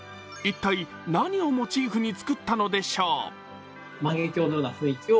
一体何をモチーフに作ったのでしょう？